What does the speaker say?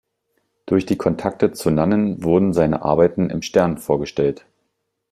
Durch die Kontakte zu Nannen wurden seine Arbeiten im "Stern" vorgestellt.